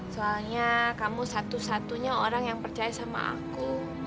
soalnya kamu satu satunya orang yang percaya sama aku